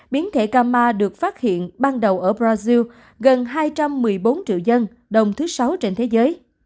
biến thể cà ma được phát hiện ban đầu ở brazil gần hai trăm một mươi bốn triệu dân đông thứ sáu trên thế giới